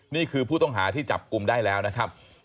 นี่คือผู้ต้องหาที่จับกลุ่มได้แล้วนะครับ